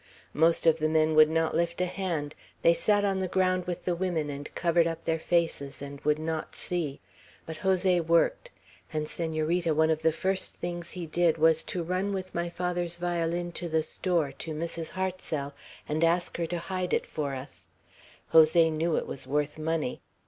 Most of the men would not lift a hand. They sat on the ground with the women, and covered up their faces, and would not see. But Jose worked; and, Senorita, one of the first things he did, was to run with my father's violin to the store, to Mrs. Hartsel, and ask her to hide it for us; Jose knew it was worth money.